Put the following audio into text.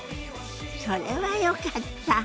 それはよかった。